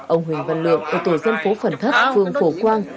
ông huỳnh văn lượng ở tổ dân phố phần thất phường phổ quang